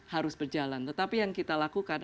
harus berjalan tetapi yang kita lakukan